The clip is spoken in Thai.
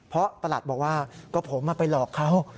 เพราะประหลัดบอกว่าก็ผมไปหลอกเขา